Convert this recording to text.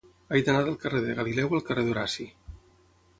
He d'anar del carrer de Galileu al carrer d'Horaci.